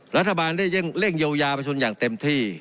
รัฐบาลได้เร่งเยียวยาประชนอย่างเต็มที่